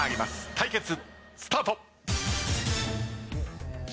対決スタート！